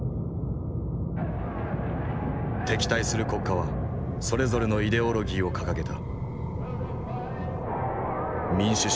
敵対する国家はそれぞれのイデオロギーを掲げた。